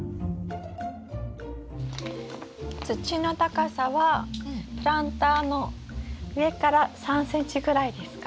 土の高さはプランターの上から３ｃｍぐらいですか？